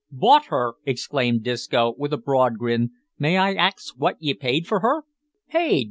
"Bought her!" exclaimed Disco, with a broad grin; "may I ax wot ye paid for her?" "Paid!"